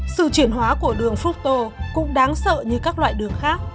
sự chuyển hóa của đường fructo cũng đáng sợ như các loại đường khác